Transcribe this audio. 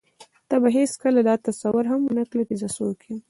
ته به هېڅکله دا تصور هم ونه کړې چې زه څوک یم.